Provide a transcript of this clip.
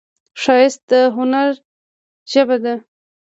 ښایست د هنر ژبه ده